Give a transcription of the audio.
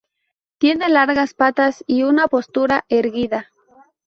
Tiene largas patas y una postura erguida.